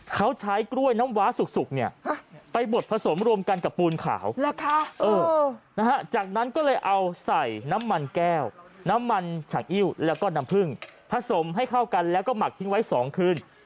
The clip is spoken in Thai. เขาใช้กล้วยน้ำว้าสุกเนี่ยไปบดผสมรวมกันกับปูนขาวจากนั้นก็เลยเอาใส่น้ำมันแก้วน้ำมันฉังอิ้วแล้วก็น้ำผึ้งผสมให้เข้ากันแล้วก็หมักทิ้งไว้๒คืน